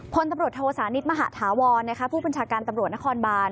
พลตำรวจโทสานิทมหาธาวรผู้บัญชาการตำรวจนครบาน